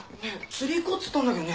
釣り行こうっつったんだけどね。